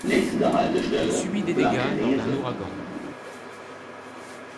Elle subit des dégâts lors d'un ouragan.